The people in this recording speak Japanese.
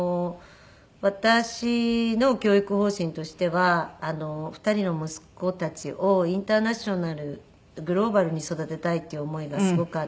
私の教育方針としては２人の息子たちをインターナショナルグローバルに育てたいという思いがすごくあったので。